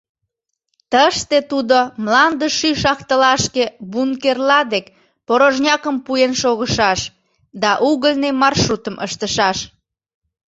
Тыште тудо мланде шӱй шахтылашке бункерла дек порожнякым пуэн шогышаш да угольный маршрутым ыштышаш.